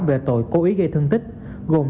về tội cố ý gây thương tích gồm